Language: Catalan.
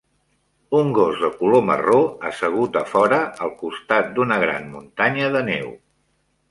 Un gos de color marró assegut afora al costat d"una gran muntanya de neu.